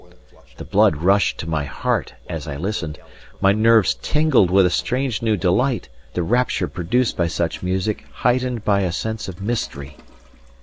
The blood rushed to my heart as I listened; my nerves tingled with a strange new delight, the rapture produced by such music heightened by a sense of mystery.